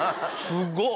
すごっ！